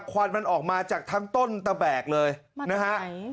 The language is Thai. ควันมันออกมาจากทั้งต้นตะแบกเลยนะฮะ